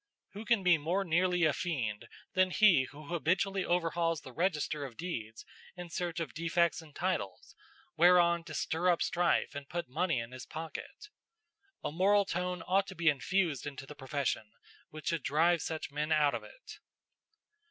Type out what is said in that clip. Who can be more nearly a fiend than he who habitually overhauls the register of deeds in search of defects in titles, whereon to stir up strife and put money in his pocket? A moral tone ought to be infused into the profession which should drive such men out of it."